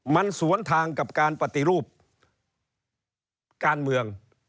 มันสวนทางกับการปฏิรูปการเมือง